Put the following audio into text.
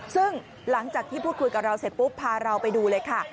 ซึ่งหลังจากที่พูดคุยกับเราเสร็จปุ๊บพาเราไปดูเลยค่ะ